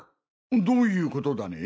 どういうことだね？